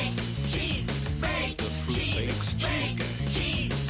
チーズ！